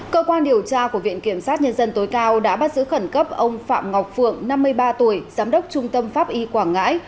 cơ quan điều tra của viện kiểm sát nhân dân tối cao đã bắt giữ khẩn cấp ông phạm ngọc phượng năm mươi ba tuổi